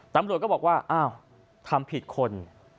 ตำรวจก็บอกว่าอ้าวทำผิดคน